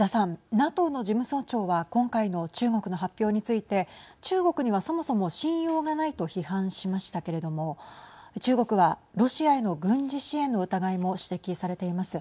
ＮＡＴＯの事務総長は今回の中国の発表について中国には、そもそも信用がないと批判しましたけれども中国はロシアへの軍事支援の疑いも指摘されています。